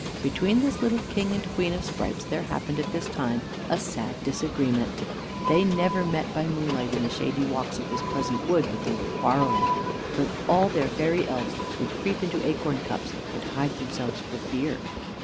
Between this little king and queen of sprites there happened, at this time, a sad disagreement: they never met by moonlight in the shady walks of this pleasant wood, but they were quarreling, till all their fairy elves would creep into acorn cups and hide themselves for fear.